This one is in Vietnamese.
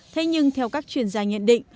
thế nhưng theo các chuyên gia nhận định